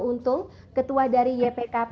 untung ketua dari ypkp enam puluh lima